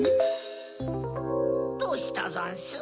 どうしたざんす？